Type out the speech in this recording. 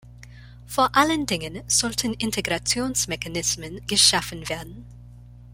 Vor allen Dingen sollten Integrationsmechanismen geschaffen werden.